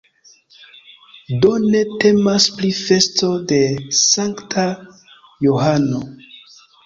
Do ne temas pri festo de Sankta Johano.